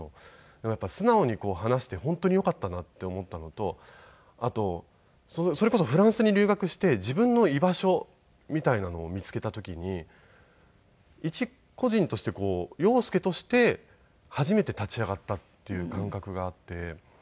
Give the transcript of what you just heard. でもやっぱり素直に話して本当によかったなって思ったのとあとそれこそフランスに留学して自分の居場所みたいなのを見つけた時に一個人として洋輔として初めて立ち上がったっていう感覚があって。